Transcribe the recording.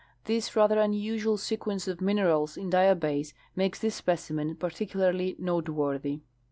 This rather unusual sequence of minerals in diabase makes this specimen particularly noteworthy.